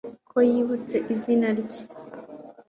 ko yibutse izina rye